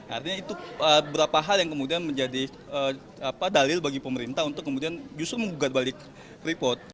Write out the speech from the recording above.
artinya itu beberapa hal yang kemudian menjadi dalil bagi pemerintah untuk kemudian justru menggugat balik freeport